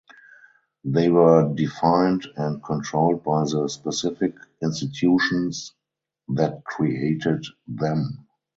They were defined and controlled by the specific institutions that created them.